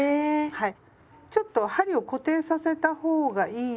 はい。